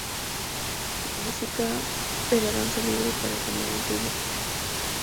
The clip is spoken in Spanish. La música de la danza libre debe tener un ritmo bien definido.